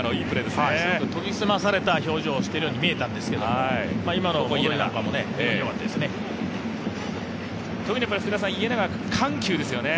すごく研ぎ澄まされたような表情をしているように見えたんですけど、今の戻りもよかったですね。